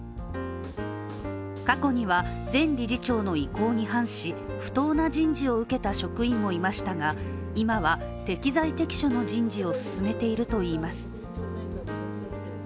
過去には、前理事長の意向に反し不当な人事を受けた職員もいましたが今は適材適所の人事を進めているといいます。